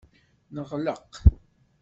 Neɣleq.